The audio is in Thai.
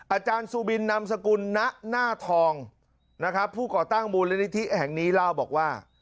อาจารย์ซูบินนำสกุลณหน้าทองนะครับผู้ก่อตั้งมูลนิธิแห่งนี้เล่าบอกว่า